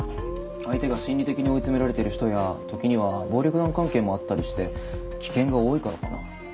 相手が心理的に追い詰められてる人や時には暴力団関係もあったりして危険が多いからかな？